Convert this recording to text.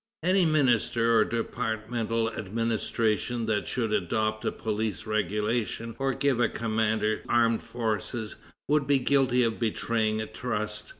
Any minister or departmental administration that should adopt a police regulation or give a commander to armed forces, would be guilty of betraying a trust.